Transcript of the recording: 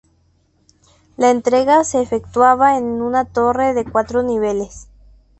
La entrega se efectuaba en una torre de cuatro niveles.